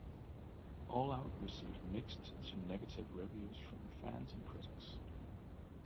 All Out received mixed to negative reviews from fans and critics.